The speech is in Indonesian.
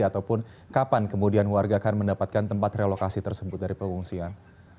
ataupun kapan kemudian warga akan mendapatkan tempat relokasi tersebut dari pengungsian